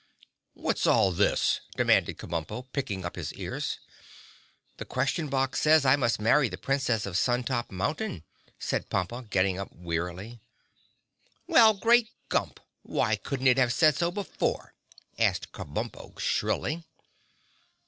"What's all this?" demanded Kabumpo, pricking up his ears. "The Question Box says I must marry the Princess of Sun Top Mountain," said Pompa, getting up wearily. "Well, Great Grump, why couldn't it have said so before?" asked Kabumpo shrilly.